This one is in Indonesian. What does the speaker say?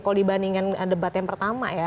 kalau dibandingkan debat yang pertama ya